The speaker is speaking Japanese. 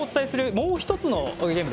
もう一つのゲーム